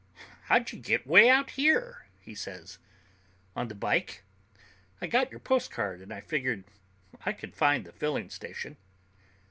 "How'd you get way out here?" he says. "On the bike. I got your postcard, and I figured I could find the filling station."